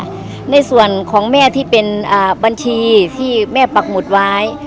ในส่วนของแม่ที่เป็นอ่าบัญชีที่แม่ปักหมุดไว้